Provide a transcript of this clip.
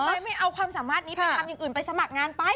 ไม่เอาความสามารถนี้ไปทำอย่างอื่นไปสมัครงานไป